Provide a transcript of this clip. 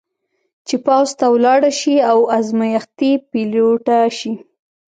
چې پوځ ته ولاړه شي او ازمېښتي پیلوټه شي.